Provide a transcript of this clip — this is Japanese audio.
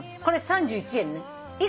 これ３１円ね。